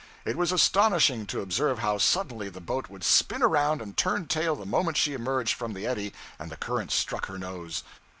It was astonishing to observe how suddenly the boat would spin around and turn tail the moment she emerged from the eddy and the current struck her nose.